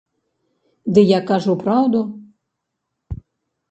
Ды я кажу праўду.